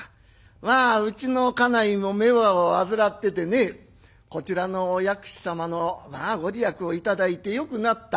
まあうちの家内も目を患っててねこちらのお薬師様のまあ御利益を頂いてよくなった。